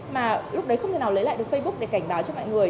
mà lúc đấy không thể nào lấy lại được facebook để cảnh báo cho mọi người